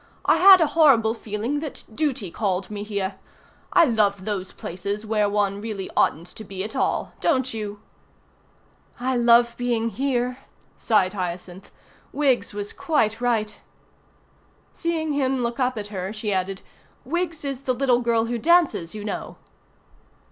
"I had a horrible feeling that duty called me here. I love those places where one really oughtn't to be at all, don't you?" "I love being here," sighed Hyacinth. "Wiggs was quite right." Seeing him look up at her she added, "Wiggs is the little girl who dances, you know."